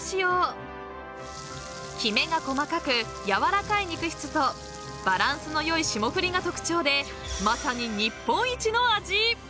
［きめが細かく軟らかい肉質とバランスの良い霜降りが特徴でまさに］